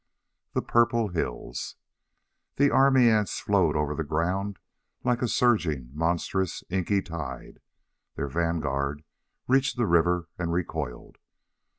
3. THE PURPLE HILLS The army ants flowed over the ground like a surging, monstrous, inky tide. Their vanguard reached the river and recoiled.